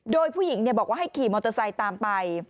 โดยผู้หญิงบอกว่าให้ขี่มอเตอร์ไซค์ตามไป